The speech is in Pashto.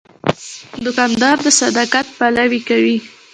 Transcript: دوکاندار د صداقت پلوي کوي.